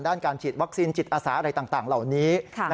การฉีดวัคซีนจิตอาสาอะไรต่างเหล่านี้